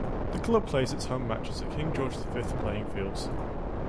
The club plays its home matches at King George the Fifth playing fields.